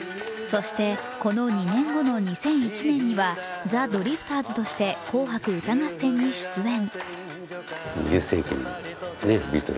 そして、この２年後の２００１年にはザ・ドリフターズとして「紅白歌合戦」に出演。